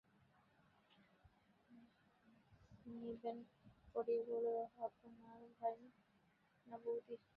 নীবেন পড়িয়া বলিল, আপনার ভাই, না বৌদি?